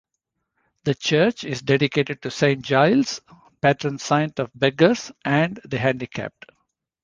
The church is dedicated to Saint Giles, patron saint of beggars and the handicapped.